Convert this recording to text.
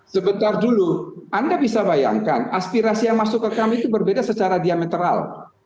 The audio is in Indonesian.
sebentar dulu anda bisa bayangkan aspirasi yang masuk ke kami itu berbeda secara diametral